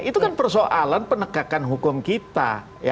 itu kan persoalan penegakan hukum kita